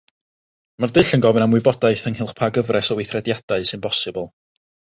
Mae'r dull yn gofyn am wybodaeth ynghylch pa gyfres o weithrediadau sy'n bosibl.